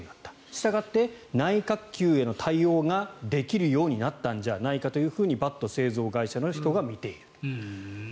したがって内角球への対応ができるようになったんじゃないかとバット製造会社の人が見ている。